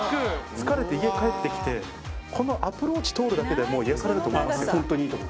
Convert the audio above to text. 疲れて家帰って来てこのアプローチ通るだけで癒やされると思いますよ。